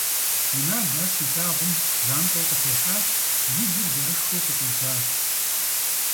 Инал ар щилъагъум, занщӀэу къытехьащ, и гур зэрышхыу къыщӀидзащ.